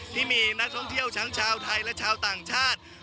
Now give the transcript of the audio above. ที่มีนักท่องเที่ยวทั้งชาวไทยและชาวต่างชาติ